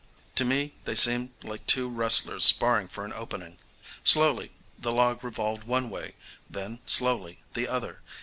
To me they seemed like two wrestlers sparring for an opening. Slowly the log revolved one way; then slowly the other.